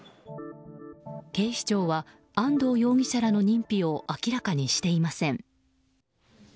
警視庁は安藤容疑者らの認否を明らかにしていません。